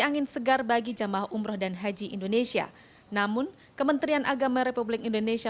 angin segar bagi jamaah umroh dan haji indonesia namun kementerian agama republik indonesia